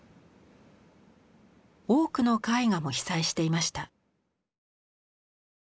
多くの絵画も被災していました。